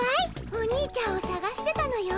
おにいちゃんをさがしてたのよ。